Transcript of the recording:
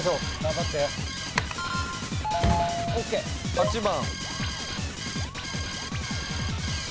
８番。